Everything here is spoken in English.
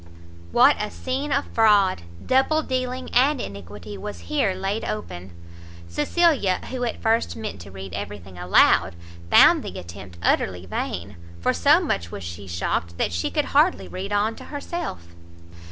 What a scene of fraud, double dealing, and iniquity was here laid open! Cecilia, who at first meant to read every thing aloud, found the attempt utterly vain, for so much was she shocked, that she could hardly read on to herself.